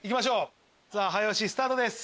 早押しスタートです。